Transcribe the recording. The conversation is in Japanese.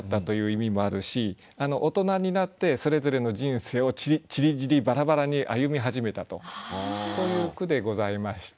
大人になってそれぞれの人生をちりぢりバラバラに歩み始めたとという句でございまして。